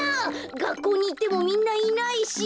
がっこうにいってもみんないないし。